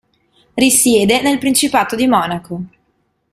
Risiede nel Principato di Monaco.